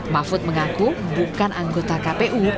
mahfud mengaku bukan anggota kpu